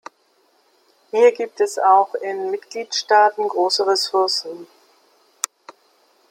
Hier gibt es auch in Mitgliedstaaten große Ressourcen.